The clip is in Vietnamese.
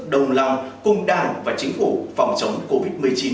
đồng lòng cùng đảng và chính phủ phòng chống covid một mươi chín